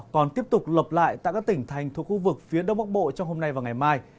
còn tiếp tục lập lại tại các tỉnh thành thuộc khu vực phía đông bắc bộ trong hôm nay và ngày mai